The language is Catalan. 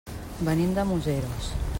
Venim de Museros.